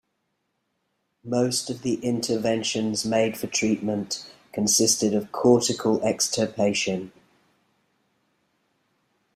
Most of the interventions made for treatment consisted of cortical extirpation.